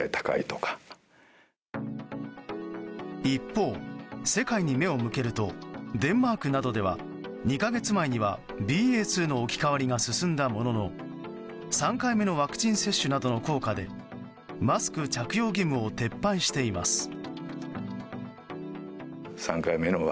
一方、世界に目を向けるとデンマークなどでは２か月前にはＢＡ．２の置き換わりが進んだものの３回目のワクチン接種などの効果でマスク着用義務を撤廃しています。